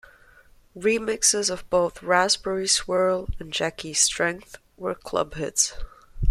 Remixes of both "Raspberry Swirl" and "Jackie's Strength" were club hits.